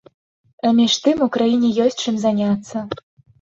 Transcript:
А між тым, у краіне ёсць чым заняцца.